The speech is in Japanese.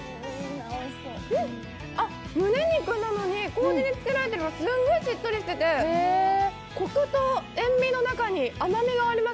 むね肉なのに、こうじに漬けられているので、すごくしっとりしててコクと塩みの中に甘みがあります。